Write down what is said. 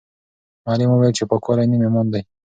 معلم وویل چې پاکوالی نیم ایمان دی.